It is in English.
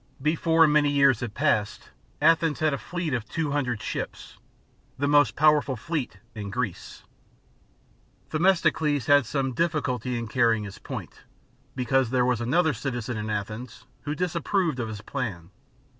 Before many years had passed, Athens had a fleet B.C. 480.] THE PASS OF THERMOPYLAE. 95 of two hundred ships the most powerful fleet in Greece. Themistocles had some difficulty in carrying his point, because there was another citizen in Athens, who disapproved of his plan.